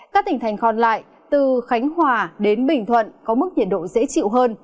các tỉnh thành còn lại từ khánh hòa đến bình thuận có mức nhiệt độ dễ chịu hơn